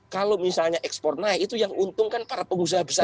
kalau misalnya ekspor naik itu yang untung kan para pengusaha besar